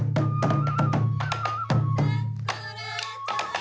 สวัสดีครับ